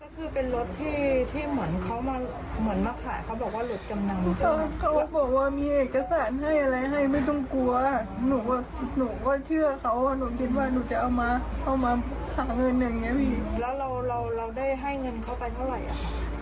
ก็คือเป็นรถที่ที่เหมือนเขามาเหมือนมาขายเขาบอกว่ารถกำลังเขาก็บอกว่ามีเอกสารให้อะไรให้ไม่ต้องกลัวหนูก็เชื่อเขาว่าหนูคิดว่าหนูจะเอามาเอามาหาเงินอย่างเงี้พี่แล้วเราเราได้ให้เงินเขาไปเท่าไหร่อ่ะ